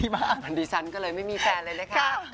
เอ้าด่าละมันกันทั้งแต่อีก